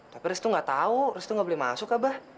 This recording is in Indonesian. tapi restu nggak tahu restu nggak boleh masuk abah